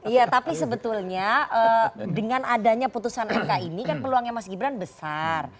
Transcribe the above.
iya tapi sebetulnya dengan adanya putusan mk ini kan peluangnya mas gibran besar